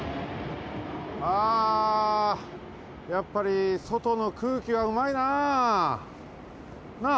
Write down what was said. あやっぱりそとのくうきはうまいなあ。なあ？